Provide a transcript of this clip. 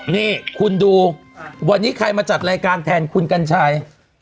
นี่คุณดูวันนี้ใครมาจัดรายการแทนคุณกัญชัย